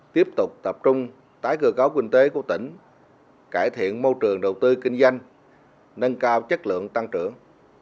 tiếp tục tập trung tái cơ cấu kinh tế của tỉnh cải thiện môi trường đầu tư kinh doanh nâng cao chất lượng tăng trưởng